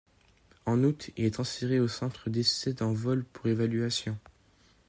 En août il est transféré au Centre d'Essais en vol pour évaluation.